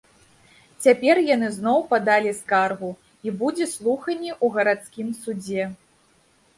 Цяпер яны зноў падалі скаргу, і будзе слуханне ў гарадскім судзе.